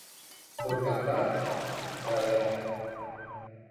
Por campar, rabear.